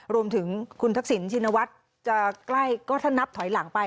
รวมถึงคุณทักษิณชินวัดก็ถนับถอยหลังไป